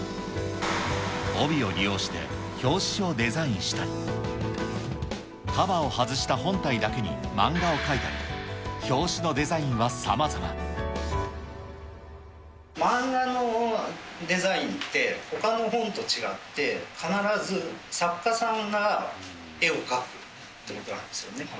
帯を利用して表紙をデザインしたり、カバーを外した本体だけに漫画を描いたり、漫画のデザインって、ほかの本と違って、必ず作家さんが絵を描くっていうことなんですよね。